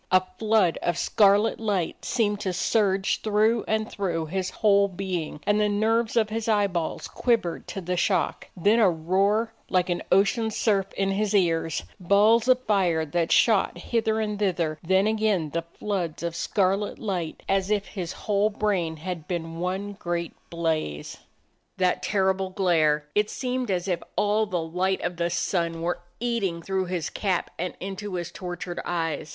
A flood of scarlet light seemed to surge through and through his whole being, and the nerves of his eyeballs quivered to the shock ; then a roar like an ocean surf in his ears, balls of fire that shot hither and thither; then again the floods of scarlet light, as if his whole brain had been one great blaze. That terrible glare ! It seemed as if all the light of the sun were eating through his cap 41 DOG HEROES OF MANY LANDS and into his tortured eyes.